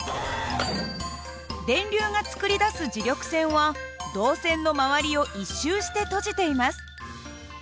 電流がつくり出す磁力線は導線のまわりを１周して閉じています。